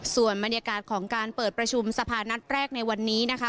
ส่วนบรรยากาศของการเปิดประชุมสภานัดแรกในวันนี้นะคะ